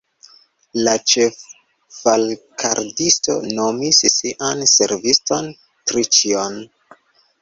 La ĉeffalkgardisto nomis sian serviston Triĉjon.